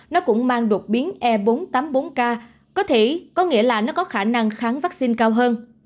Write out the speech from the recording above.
nó cũng mang đột biến e bốn trăm tám mươi bốn k có nghĩa là nó có khả năng kháng vắc xin cao hơn